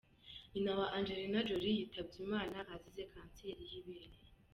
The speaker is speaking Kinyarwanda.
Nyina wa Angelina Jolie yitabye Imana azize kanseri y'amabere.